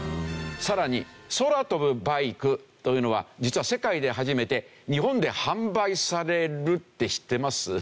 さらに空飛ぶバイクというのは実は世界で初めて日本で販売されるって知ってます？